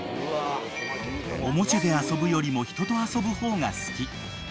［「オモチャで遊ぶよりも人と遊ぶ方が好き」